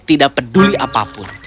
tidak peduli apapun